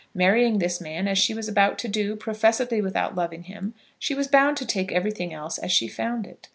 Marrying this man, as she was about to do, professedly without loving him, she was bound to take everything else as she found it.